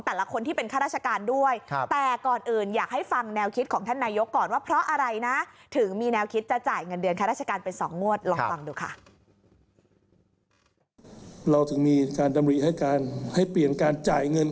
แต่ละคนที่เป็นคาราชการด้วยแต่ก่อนอื่นอยากให้ฟังแนวคิดของ